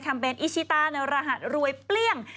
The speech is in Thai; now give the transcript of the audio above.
แคมเปญอิชิตาระหัดรวยเปลี่ยง